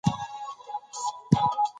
په افغانستان کې انار ډېر اهمیت لري.